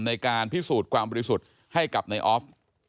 ในการพิสูจน์ความบริสุทธิ์ให้กับนายออฟ